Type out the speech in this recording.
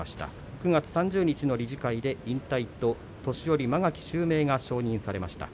９月３０日の理事会で引退と年寄間垣襲名が承認されました。